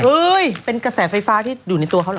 เป็นกระแสไฟฟ้าที่อยู่ในตัวเขาเหรอ